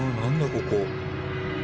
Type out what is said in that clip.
ここ。